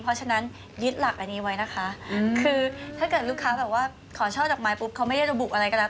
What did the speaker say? และฉะนั้นยึดหลักอันนี้ไว้นะคะถ้าเจ้าขอช่อดอกไม้เขาไม่ได้บุบอะไรแทน